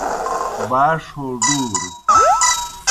باݜ ہو ڈُوروْ